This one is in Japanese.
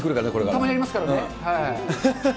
たまにありますからね。